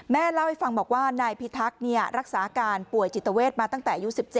เล่าให้ฟังบอกว่านายพิทักษ์รักษาอาการป่วยจิตเวทมาตั้งแต่อายุ๑๗